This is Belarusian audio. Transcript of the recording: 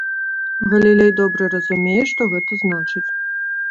Галілей добра разумее, што гэта значыць.